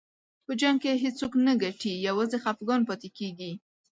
په جنګ کې هېڅوک نه ګټي، یوازې خفګان پاتې کېږي.